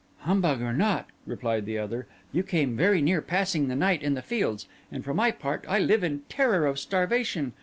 "Humbug or not," replied the other, "you came very near passing the night in the fields; and, for my part, I live in terror of starvation.